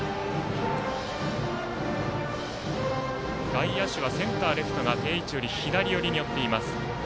外野手はセンター、レフトが定位置より左に寄っています。